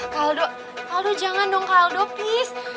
kaldo kaldo jangan dong kaldo please